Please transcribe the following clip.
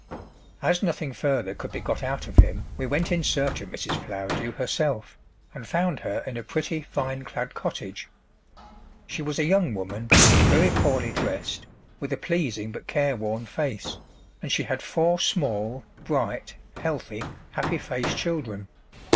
As nothing further could be got out of him we went in search of Mrs. Flowerdew herself, and found her in a pretty vine clad cottage. She was a young woman, very poorly dressed, with a pleasing but careworn face, and she had four small, bright, healthy, happy faced children.